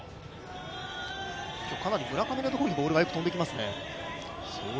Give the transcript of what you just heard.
今日、村上のところにボールがよく飛んできますね。